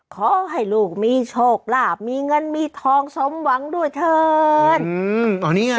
ขอให้ลูกมีโชคลาภมีเงินมีทองสมหวังด้วยเถินอืมตอนนี้ไง